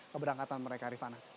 keberangkatan mereka rifanah